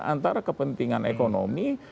antara kepentingan ekonomi